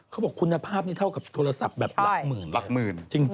เขาบอกคุณภาพนี่เท่ากับโทรศัพท์แบบละหมื่นเลยจริง